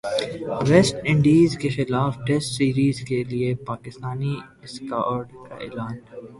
waste انڈیزکےخلاف test series کے لیےپاکستانی اسکواڈ کا اعلان